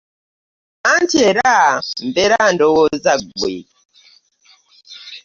Anti era mbeera ndowooza ggwe.